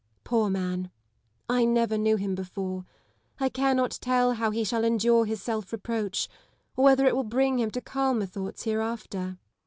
Poor man ! I never knew him before ; I cannot tell how he shall endure his self reproach, or whether it will bring him to calmer thoughts hereafter.